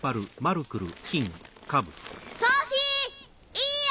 いいよ！